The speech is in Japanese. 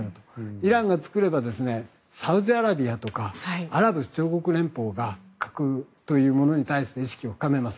イランが作ればサウジアラビアとかアラブ首長国連邦が核というものに対して意識を深めます。